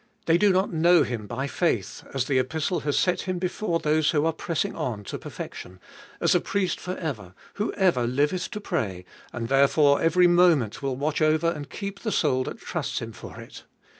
They do not know him by faith, as the Epistle has set Him before those who are pressing on to perfection — as a Priest for ever, who ever liveth to pray, and therefore every moment will watch over and keep the soul that trusts Him for it.